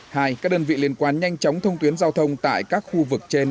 hai các đơn vị liên quan nhanh chóng thông tuyến giao thông tại các khu vực trên